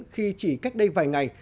khi chỉ cách đây vài ngày